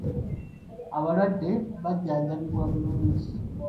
Abalwadde bajjanjabibwa bulungi.